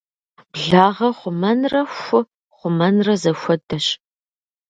Благъэ хъумэнрэ ху хъумэнрэ зэхуэдэщ.